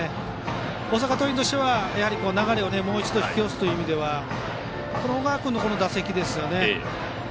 大阪桐蔭としては流れをもう一度引き寄せる意味でこの小川君の打席ですよね。